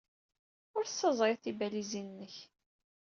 Ur tessaẓyeḍ tibalizin-nnek.